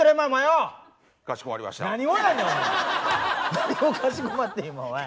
何をかしこまってんおい。